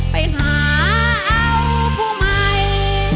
ไปหาเอาผู้ใหม่